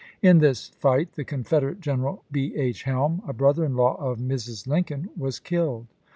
In this fight the Confed erate general B. H. Helm, a brother in law of Mi's. Lincoln, was killed.